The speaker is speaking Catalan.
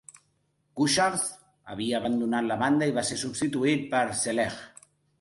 "Kucharz" havia abandonat la banda i va ser substituït per "Celej".